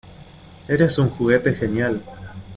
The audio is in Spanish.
¡ Eres un juguete genial!